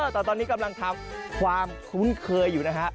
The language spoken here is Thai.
แต่ตอนนี้กำลังทำความคุ้นเคยอยู่นะฮะ